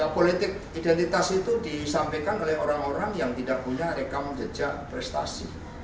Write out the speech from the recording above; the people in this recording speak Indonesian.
politik identitas itu disampaikan oleh orang orang yang tidak punya rekam jejak prestasi